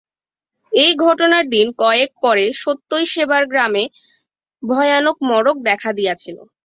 এই ঘটনার দিন কয়েক পরে সত্যই সেবার গ্রামে ভয়ানক মড়ক দেখা দিয়াছিল।